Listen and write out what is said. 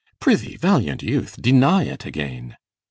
Prithee, valiant youth, Deny't again.